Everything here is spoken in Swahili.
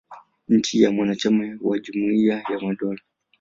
Nchi ni mwanachama wa Jumuia ya Madola.